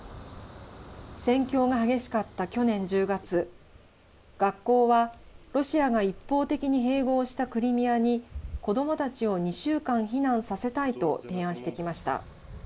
戦況が激しかった去年１０月学校はロシアが一方的に併合したクリミアに子どもたちを２週間避難させたいと提案してきました。